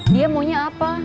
dia maunya apa